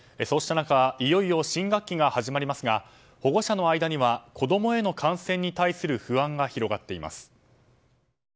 そうした中、いよいよ新学期が始まりますが保護者の間には子供への感染に対する不安が広がっています。